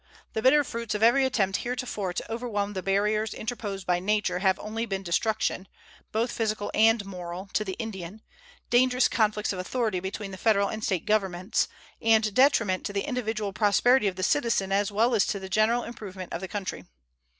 The bitter fruits of every attempt heretofore to overcome the barriers interposed by nature have only been destruction, both physical and moral, to the Indian, dangerous conflicts of authority between the Federal and State Governments, and detriment to the individual prosperity of the citizen as well as to the general improvement of the country.